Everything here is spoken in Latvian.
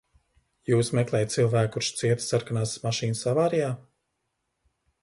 Jūs meklējat cilvēku, kurš cieta sarkanās mašīnas avārijā?